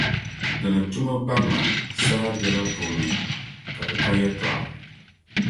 di ni tum o barina saha biɛla puuni ka di ka yɛtɔɣa.